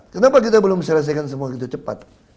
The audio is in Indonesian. kenapa kita belum selesaikan semua gitu cepat